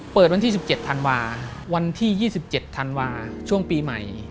เปิดวันที่๑๗ธันวาวันที่๒๗ธันวาช่วงปีใหม่